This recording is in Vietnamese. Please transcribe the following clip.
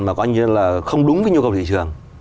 mà coi như là không đúng với nhu cầu thị trường